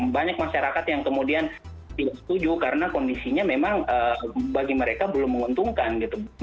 banyak masyarakat yang kemudian tidak setuju karena kondisinya memang bagi mereka belum menguntungkan gitu